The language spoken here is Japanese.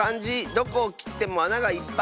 どこをきってもあながいっぱい。